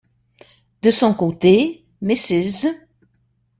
De son côté, Mrs.